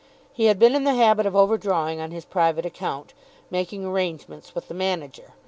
He had been in the habit of over drawing on his private account, making arrangements with the manager.